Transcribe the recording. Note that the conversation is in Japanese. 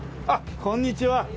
あっこんにちは。